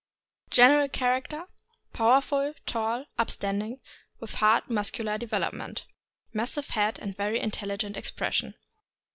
General character. — Powerful, tall, upstanding, with hard muscular development. Massive head and very intel ligent expression.